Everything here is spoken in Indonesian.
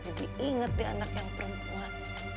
jadi inget di anak yang perempuan